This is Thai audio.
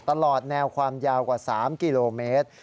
ตลอดแนวความยาวกว่า๓กิโลเมตร